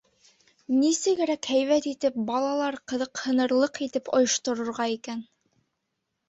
«Нисегерәк һәйбәт итеп, балалар ҡыҙыҡһынырлыҡ итеп ойошторорға икән?!»